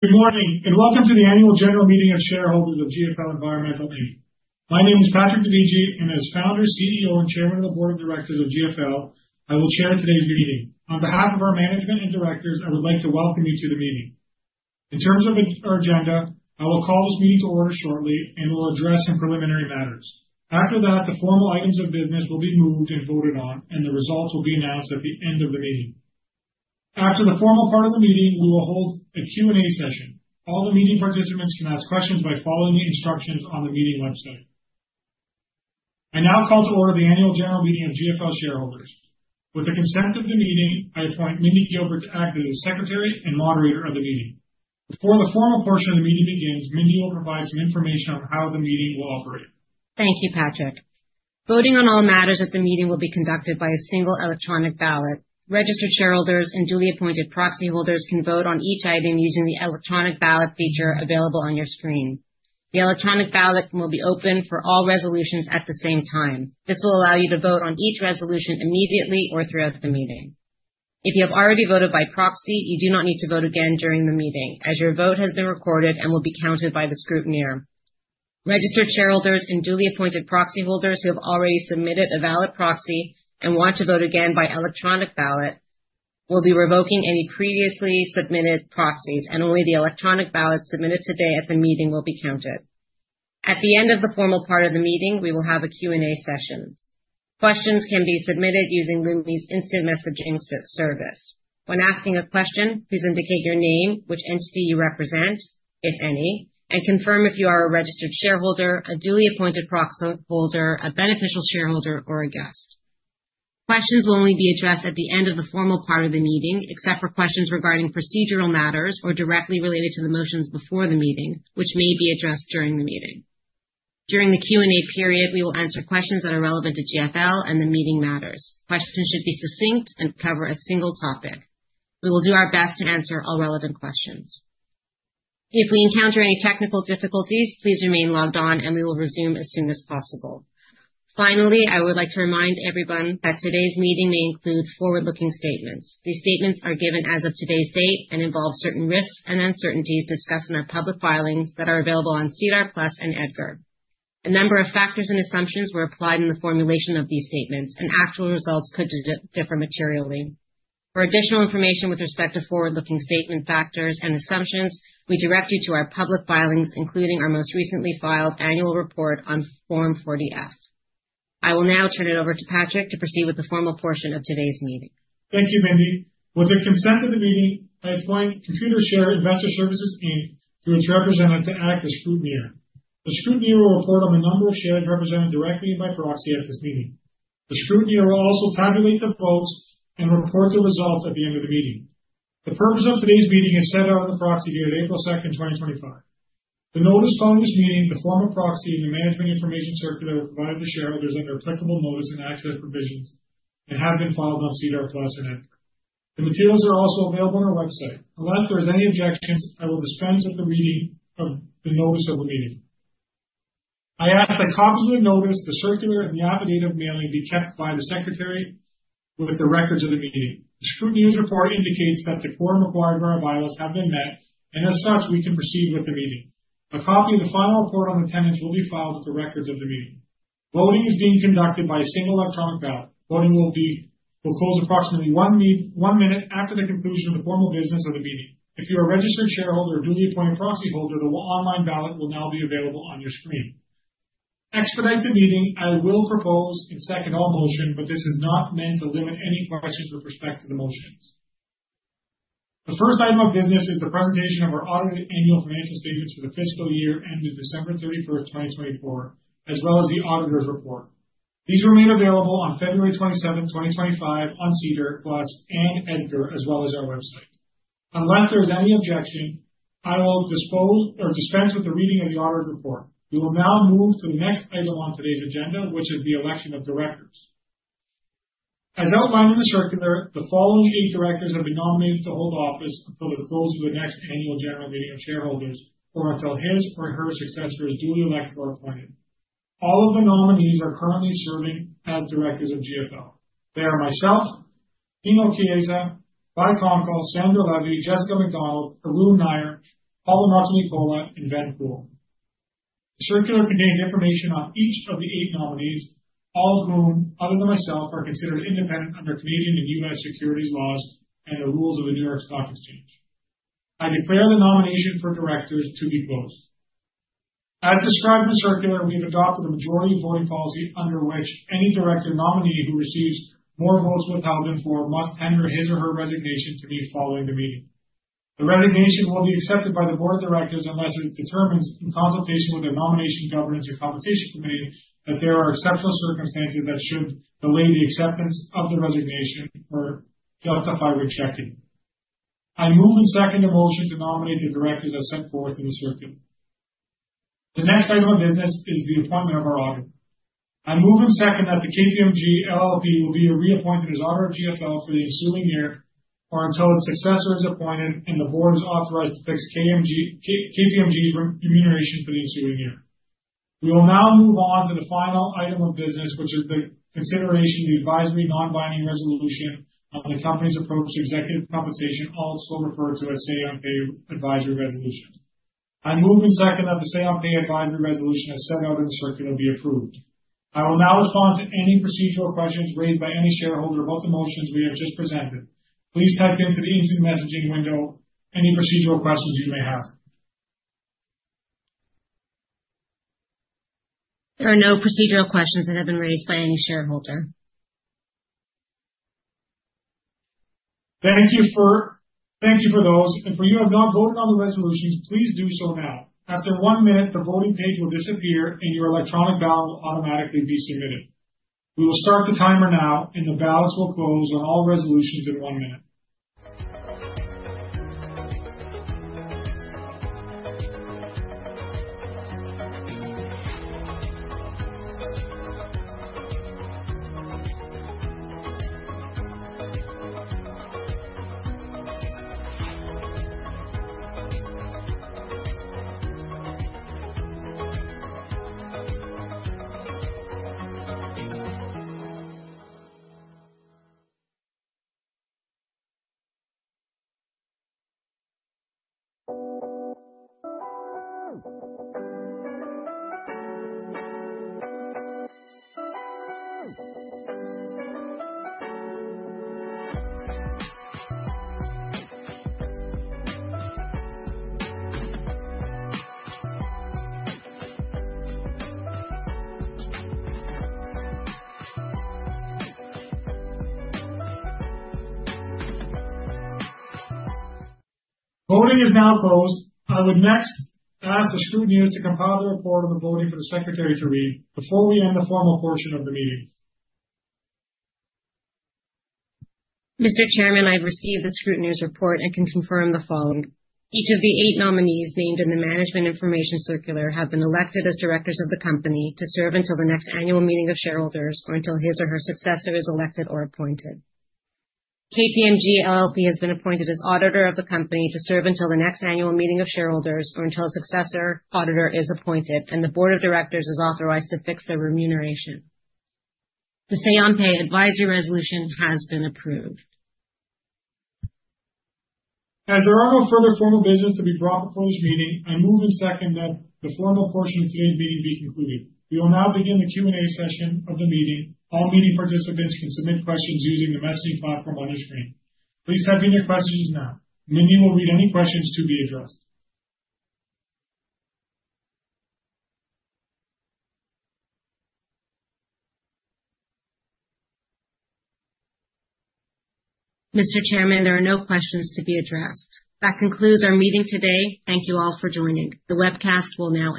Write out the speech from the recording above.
Good morning, and welcome to the annual general meeting of shareholders of GFL Environmental Inc. My name is Patrick Dovigi, and as Founder, CEO, and Chairman of the Board of Directors of GFL, I will chair today's meeting. On behalf of our management and directors, I would like to welcome you to the meeting. In terms of our agenda, I will call this meeting to order shortly and will address some preliminary matters. After that, the formal items of business will be moved and voted on, and the results will be announced at the end of the meeting. After the formal part of the meeting, we will hold a Q&A session. All the meeting participants can ask questions by following the instructions on the meeting website. I now call to order the annual general meeting of GFL shareholders. With the consent of the meeting, I appoint Mindy Gilbert to act as secretary and moderator of the meeting. Before the formal portion of the meeting begins, Mindy will provide some information on how the meeting will operate. Thank you, Patrick. Voting on all matters at the meeting will be conducted by a single electronic ballot. Registered shareholders and duly appointed proxy holders can vote on each item using the electronic ballot feature available on your screen. The electronic ballot will be open for all resolutions at the same time. This will allow you to vote on each resolution immediately or throughout the meeting. If you have already voted by proxy, you do not need to vote again during the meeting, as your vote has been recorded and will be counted by the scrutineer. Registered shareholders and duly appointed proxy holders who have already submitted a valid proxy and want to vote again by electronic ballot will be revoking any previously submitted proxies, and only the electronic ballot submitted today at the meeting will be counted. At the end of the formal part of the meeting, we will have a Q&A session. Questions can be submitted using Lumi's instant messaging service. When asking a question, please indicate your name, which entity you represent, if any, and confirm if you are a registered shareholder, a duly appointed proxy holder, a beneficial shareholder, or a guest. Questions will only be addressed at the end of the formal part of the meeting, except for questions regarding procedural matters or directly related to the motions before the meeting, which may be addressed during the meeting. During the Q&A period, we will answer questions that are relevant to GFL and the meeting matters. Questions should be succinct and cover a single topic. We will do our best to answer all relevant questions. If we encounter any technical difficulties, please remain logged on and we will resume as soon as possible. Finally, I would like to remind everyone that today's meeting may include forward-looking statements. These statements are given as of today's date and involve certain risks and uncertainties discussed in our public filings that are available on SEDAR+ and EDGAR. A number of factors and assumptions were applied in the formulation of these statements, and actual results could differ materially. For additional information with respect to forward-looking statement factors and assumptions, we direct you to our public filings, including our most recently filed annual report on Form 40-F. I will now turn it over to Patrick to proceed with the formal portion of today's meeting. Thank you, Mindy. With the consent of the meeting, I appoint Computershare Investor Services Inc., through its representative, to act as scrutineer. The scrutineer will report on the number of shares represented directly and by proxy at this meeting. The scrutineer will also tabulate the votes and report the results at the end of the meeting. The purpose of today's meeting is set out in the proxy dated April 2nd, 2025. The notice of this meeting, the form of proxy, and the management information circular were provided to shareholders under applicable notice and access provisions and have been filed on SEDAR+ and EDGAR. The materials are also available on our website. Unless there's any objections, I will dispense with the notice of the meeting. I ask that copies of the notice, the circular, and the affidavit of mailing be kept by the secretary with the records of the meeting. The scrutineer's report indicates that the quorum required by our bylaws have been met, and as such, we can proceed with the meeting. A copy of the final report on attendance will be filed with the records of the meeting. Voting is being conducted by a single electronic ballot. Voting will close approximately one minute after the conclusion of the formal business of the meeting. If you're a registered shareholder or duly appointed proxy holder, the online ballot will now be available on your screen. To expedite the meeting, I will propose and second all motions, but this is not meant to limit any questions with respect to the motions. The first item of business is the presentation of our audited annual financial statements for the fiscal year ended December 31st, 2024, as well as the auditor's report. These remain available on February 27th, 2025 on SEDAR+ and EDGAR, as well as our website. Unless there's any objection, I will dispense with the reading of the auditor's report. We will now move to the next item on today's agenda, which is the election of directors. As outlined in the circular, the following eight directors have been nominated to hold office until the close of the next annual general meeting of shareholders, or until his or her successor is duly elected or appointed. All of the nominees are currently serving as directors of GFL. They are myself, Dino Chiesa, Raj Konkal, Sandra Levy, Jessica McDonald, Arun Nayar, Paolo Notarnicola, and Ven Poole. The circular contains information on each of the eight nominees, all of whom, other than myself, are considered independent under Canadian and U.S. securities laws and the rules of the New York Stock Exchange. I declare the nomination for directors to be closed. As described in the circular, we have adopted a majority voting policy under which any director nominee who receives more votes withheld than for must tender his or her resignation to me following the meeting. The resignation will be accepted by the board of directors unless it determines, in consultation with the Nomination, Governance and Compensation Committee, that there are exceptional circumstances that should delay the acceptance of the resignation or justify rejecting. I move and second the motion to nominate the directors as set forth in the circular. The next item of business is the appointment of our auditor. I move and second that KPMG LLP will be reappointed as auditor of GFL for the ensuing year or until its successor is appointed, and the board is authorized to fix KPMG's remuneration for the ensuing year. We will now move on to the final item of business, which is the consideration of the advisory non-binding resolution on the company's approach to executive compensation, also referred to as say on pay advisory resolution. I move and second that the say on pay advisory resolution as set out in the circular be approved. I will now respond to any procedural questions raised by any shareholder about the motions we have just presented. Please type into the instant messaging window any procedural questions you may have. There are no procedural questions that have been raised by any shareholder. Thank you for those, and if you have not voted on the resolutions, please do so now. After 1 minute, the voting page will disappear, and your electronic ballot will automatically be submitted. We will start the timer now, and the ballots will close on all resolutions in 1 minute. Voting is now closed. I would next ask the scrutineers to compile the report of the voting for the secretary to read before we end the formal portion of the meeting. Mr. Chairman, I've received the scrutineers' report and can confirm the following. Each of the eight nominees named in the management information circular have been elected as directors of the company to serve until the next annual meeting of shareholders or until his or her successor is elected or appointed. KPMG LLP has been appointed as auditor of the company to serve until the next annual meeting of shareholders or until a successor auditor is appointed and the board of directors is authorized to fix their remuneration. The say on pay advisory resolution has been approved. As there are no further formal business to be brought before this meeting, I move and second that the formal portion of today's meeting be concluded. We will now begin the Q&A session of the meeting. All meeting participants can submit questions using the messaging platform on your screen. Please type in your questions now. Mindy will read any questions to be addressed. Mr. Chairman, there are no questions to be addressed. That concludes our meeting today. Thank you all for joining. The webcast will now end.